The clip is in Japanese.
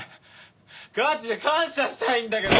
ガチで感謝したいんだけど。